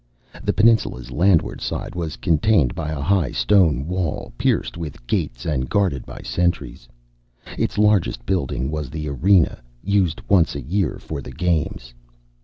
The peninsula's landward side was contained by a high stone wall, pierced with gates and guarded by sentries. Its largest building was the Arena, used once a year for the Games.